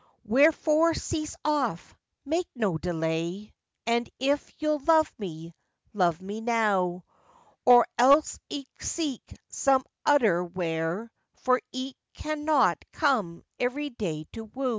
Wherefore cease off, make no delay, And if you'll love me, love me now; Or els Ich zeeke zome oder where,— For Ich cannot come every day to woo.